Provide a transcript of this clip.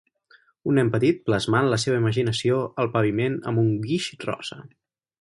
Un nen petit plasmant la seva imaginació al paviment amb un guix rosa.